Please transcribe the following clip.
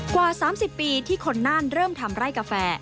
กว่า๓๐ปีที่คนน่านเริ่มทำไร่กาแฟ